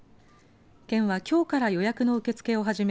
県はきょうから予約の受け付けを始め